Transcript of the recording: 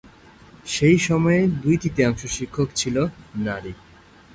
সে সময়ের দুই-তৃতীয়াংশ শিক্ষক ছিল নারী।